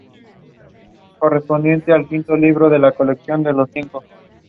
She was partly inspired by the Grand Central Terminal clock.